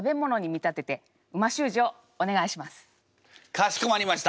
かしこまりました！